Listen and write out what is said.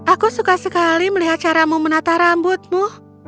aku suka sekali melihat caramu menatah rambutmu